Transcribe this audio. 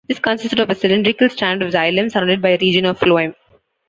This consisted of a cylindrical strand of xylem, surrounded by a region of phloem.